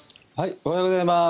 おはようございます。